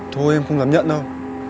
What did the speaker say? thôi em không dám nhận đâu